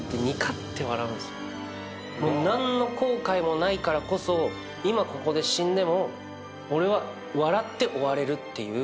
何の後悔もないからこそ今ここで死んでも俺は笑って終われるっていう。